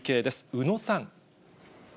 宇野さん。